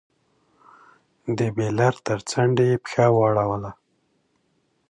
د بېلر تر څنډې يې پښه واړوله.